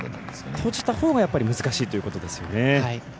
閉じたほうが難しいということですよね。